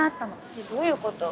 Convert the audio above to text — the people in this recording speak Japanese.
えっどういうこと？